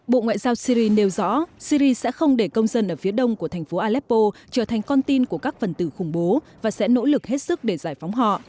bộ ngoại giao syri nêu rõ syri sẽ không để công dân ở phía đông của thành phố aleppo trở thành con tin của các phần tử khủng bố và sẽ nỗ lực hết sức để giải phóng họ